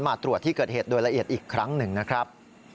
มาตรวจที่เกิดเหตุโดยละเอียดอีกครั้งหนึ่งนะครับ